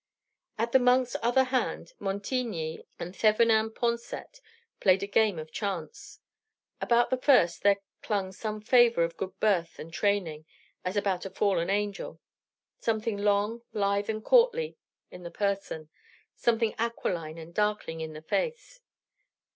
At the monk's other hand, Montigny and Thevenin Pensete played a game of chance. About the first there clung some flavor of good birth and training, as about a fallen angel; something long, lithe, and courtly in the person; something aquiline and darkling in the face.